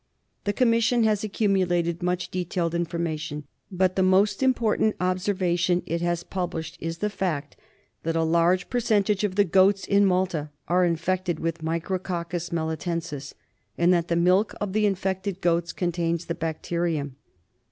The commission has accumu lated much detailed information ; but the most important observation it has published is the fact that a large per centage of the goats in Malta are infected with Micrococcus vtelitensis, and that the milk of the infected goats contains the bacterium.